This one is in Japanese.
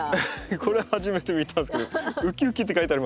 これは初めて見たんですけど「ウキウキ」って書いてありますね。